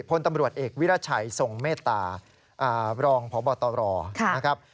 พลตำรวจเอกวิราชัยทรงเมตตารองพบตรนะครับ